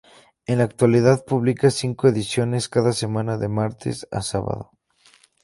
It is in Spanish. En la actualidad publica cinco ediciones cada semana, de martes a sábado.